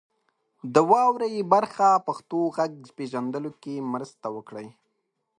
د واورئ برخه پښتو غږ پیژندلو کې مرسته کوي.